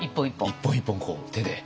一本一本こう手で。